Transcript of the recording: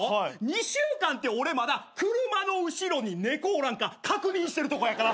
２週間って俺まだ車の後ろに猫おらんか確認してるとこやから。